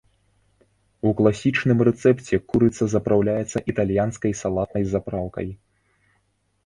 У класічным рэцэпце курыца запраўляецца італьянскай салатнай запраўкай.